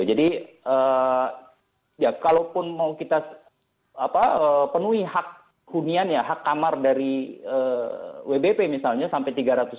jadi ya kalaupun mau kita penuhi hak hunian ya hak kamar dari wbp misalnya sampai tiga ratus sebelas